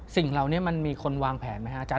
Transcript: สิ่งเหล่านี้มันมีคนวางแผนไหมครับอาจาร